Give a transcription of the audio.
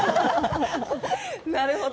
なるほど。